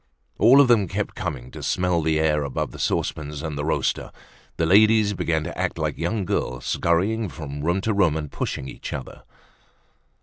All of them kept coming to smell the air above the saucepans and the roaster. The ladies began to act like young girls, scurrying from room to room and pushing each other.